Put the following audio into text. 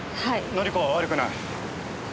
紀子は悪くない。